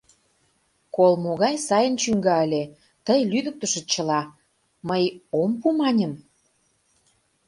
Кол могай сайын чӱҥга ыле, тый лӱдыктышыч чыла, мый «ом пу!» маньым.